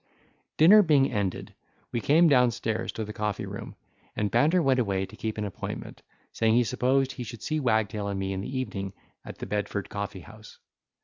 Dinner being ended, we came down stairs to the coffee room, and Banter went away to keep an appointment, saying, he supposed he should see Wagtail and me in the evening at the Bedford Coffee house.